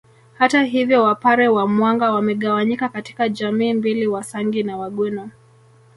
Hata hivyo Wapare wa Mwanga wamegawanyika katika jamii mbili Wasangi na Wagweno